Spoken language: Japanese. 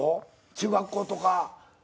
中学校とか。